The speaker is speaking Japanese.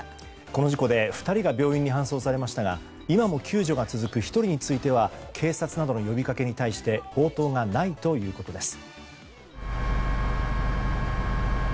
この事故で２人が病院に搬送されましたが今も救助が続く１人については警察などの呼びかけに対して応答がないということです。